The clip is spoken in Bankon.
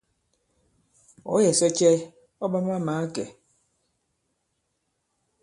Ɔ̌ yɛ̀ sɔ cɛ ɔ̂ ɓa ma-màa kɛ̄?